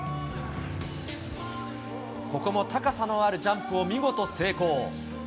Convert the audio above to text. ここも高さのあるジャンプを見事成功。